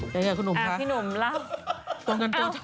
แล้วคุณหนุ่มคะเจ๋พี่หนุ่มเล่าเพราะว่านั้นสมควรเจ๋